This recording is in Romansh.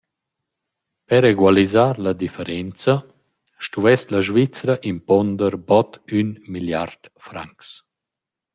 Per egualisar la differenza stuvess la Svizra impuonder bod ün milliard francs.